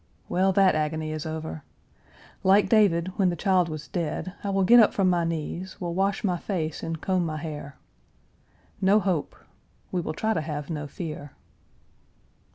Well, that agony is over. Like David, when the child was dead, I will get up from my knees, will wash my face and comb my hair. No hope; we will try to have no fear.